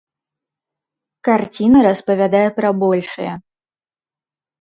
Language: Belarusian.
Карціна распавядае пра большае.